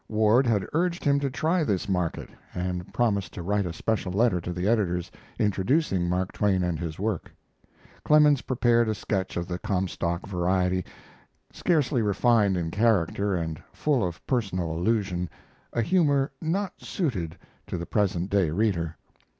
Ward had urged him to try this market, and promised to write a special letter to the editors, introducing Mark Twain and his work. Clemens prepared a sketch of the Comstock variety, scarcely refined in character and full of personal allusion, a humor not suited to the present day reader.